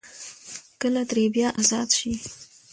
کله ترې بيا ازاد شي ـ